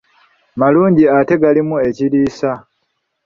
Malungi ate galimu ekiriisa